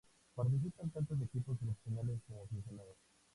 Participan tanto equipos profesionales como aficionados.